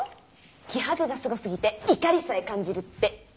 「気迫がすごすぎて怒りさえ感じる」って。